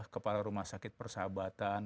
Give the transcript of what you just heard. kepala rumah sakit persahabatan